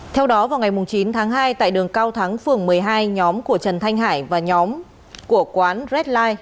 theo đó vào ngày chín tháng hai tại đường cao thắng phường một mươi hai nhóm của trần thanh hải và nhóm của quán reddlife